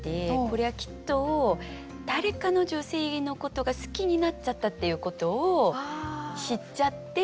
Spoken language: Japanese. これはきっと誰かの女性のことが好きになっちゃったっていうことを知っちゃって。